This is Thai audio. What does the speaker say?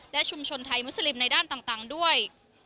และชุมชนไทยมุสลิมในด้านต่างด้วย